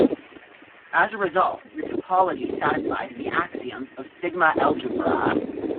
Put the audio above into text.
As a result, the topology satisfies the axioms of a sigma algebra.